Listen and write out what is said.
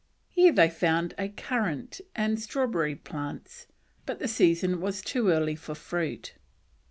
Here they found currant and strawberry plants, but the season was too early for fruit.